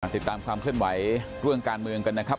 ติดตามความเคลื่อนไหวเรื่องการเมืองกันนะครับ